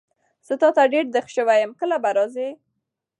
زه تاته ډېر دیغ سوی یم کله به راځي؟